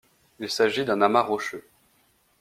Il s'agit d'un amas rocheux.